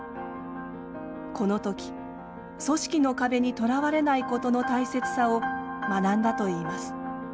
この時組織の壁にとらわれないことの大切さを学んだといいます。